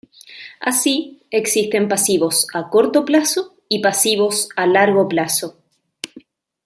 Así, existen pasivos a corto plazo y pasivos a largo plazo.